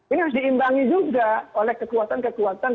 ini harus diimbangi juga oleh kekuatan kekuatan